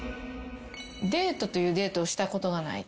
デートというデートをしたことがない。